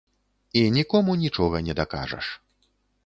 І нікому нічога не дакажаш.